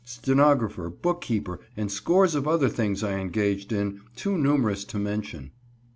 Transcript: stenographer, bookkeeper, and scores of other things I engaged in, too numerous to mention.